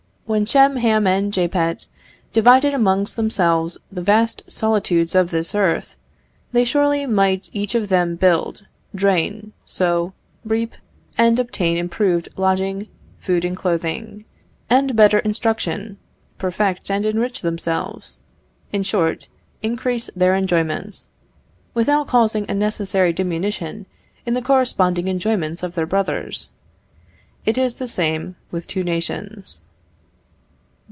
_" When Shem, Ham, and Japhet divided amongst themselves the vast solitudes of this earth, they surely might each of them build, drain, sow, reap, and obtain improved lodging, food and clothing, and better instruction, perfect and enrich themselves in short, increase their enjoyments, without causing a necessary diminution in the corresponding enjoyments of their brothers. It is the same with two nations.